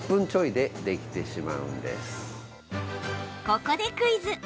ここで、クイズ！